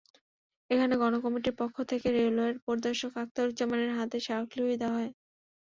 এখানে গণকমিটির পক্ষ থেকে রেলওয়ের পরিদর্শক আখতারুজামানের হাতে স্মারকলিপি দেওয়া হয়।